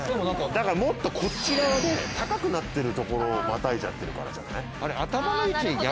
だからもっとこっち側で高くなってるところをまたいじゃってるからじゃない？